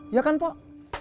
iya kan pak